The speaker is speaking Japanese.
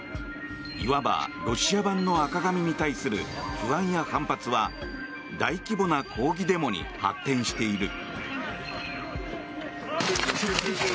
いわばロシア版の赤紙に対する不安や反発は大規模な抗議デモに発展している。